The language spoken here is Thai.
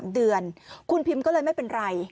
เดือนคุณพิมก็เลยไม่เป็นไร